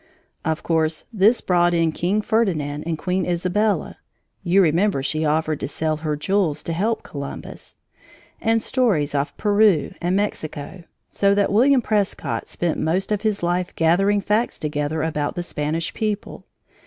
Of course, this brought in King Ferdinand and Queen Isabella (you remember she offered to sell her jewels to help Columbus) and stories of Peru and Mexico, so that William Prescott spent most of his life gathering facts together about the Spanish people.